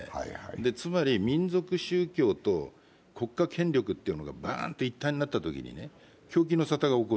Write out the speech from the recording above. つまり民族宗教と国家権力が一体となったときに狂気の沙汰が起こる。